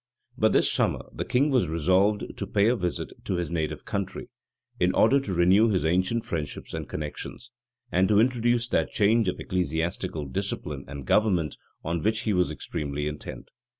But this summer the king was resolved to pay a visit to his native country, in order to renew his ancient friendships and connections, and to introduce that change of ecclesiastical discipline and government on which he was extremely intent.